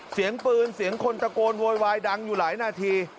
เสียงปืนเสียงคนตะโกนโวยวายดังอยู่หลายนาที